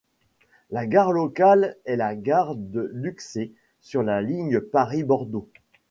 La gare locale est la gare de Luxé sur la Ligne Paris - Bordeaux.